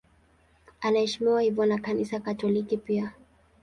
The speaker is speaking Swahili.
Anaheshimiwa hivyo na Kanisa Katoliki pia.